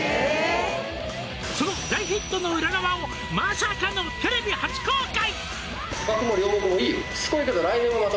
「その大ヒットの裏側をまさかのテレビ初公開！」